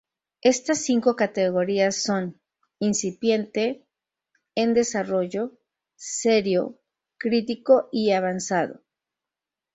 Estas cinco categorías son: incipiente, en desarrollo, serio, crítico y avanzado.